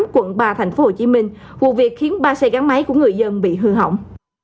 quận ba tp hcm vụ việc khiến ba xe gắn máy của người dân bị hư hỏng